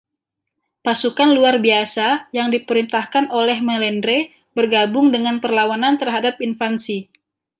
Pasukan luar biasa yang diperintahkan oleh Melendre bergabung dengan perlawanan terhadap invasi.